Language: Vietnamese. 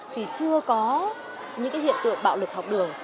thì chưa có những hiện tượng bạo lực học đường